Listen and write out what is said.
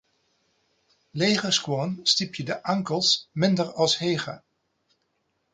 Lege skuon stypje de ankels minder as hege.